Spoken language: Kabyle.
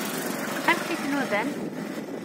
Amek i t-nudan?